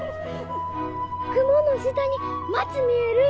雲の下に町見える！